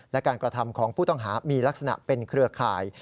และการกระทำของผู้ต้องหามีลักษณะเป็นเครือข่าย